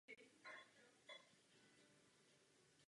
Srdečně vítejte v Evropském parlamentu.